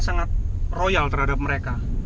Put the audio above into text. sangat royal terhadap mereka